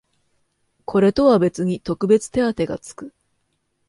これとは別に特別手当てがつく